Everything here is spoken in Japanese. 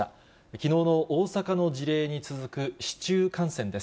きのうの大阪の事例に続く市中感染です。